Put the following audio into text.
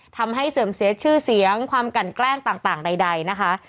ทำให้เสื่อมเสียชื่อเสียงความกันแกล้งต่างใดนะคะ